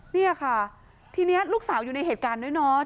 นี่ค่ะทีนี้ลูกสาวอยู่ในเหตุการณ์ด้วยเนาะ